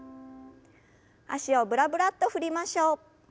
脚をブラブラッと振りましょう。